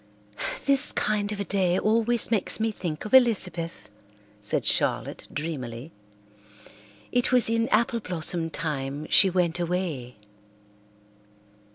"This kind of a day always makes me think of Elizabeth," said Charlotte dreamily. "It was in apple blossom time she went away."